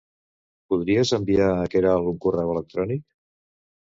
Podries enviar a la Queralt un correu electrònic?